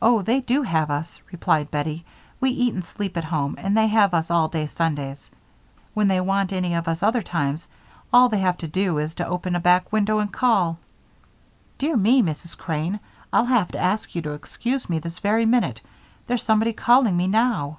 "Oh, they do have us," replied Bettie. "We eat and sleep at home and they have us all day Sundays. When they want any of us other times, all they have to do is to open a back window and call Dear me, Mrs. Crane, I'll have to ask you to excuse me this very minute There's somebody calling me now."